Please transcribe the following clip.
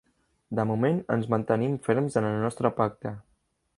De moment, ens mantenim ferms en el nostre pacte.